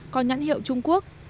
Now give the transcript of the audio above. có nhãn hiệu trung quốc